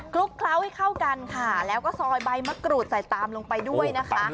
ลุกเคล้าให้เข้ากันค่ะแล้วก็ซอยใบมะกรูดใส่ตามลงไปด้วยนะคะ